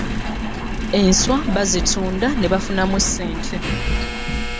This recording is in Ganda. Enswa bazitunda ne bafunamu ssente.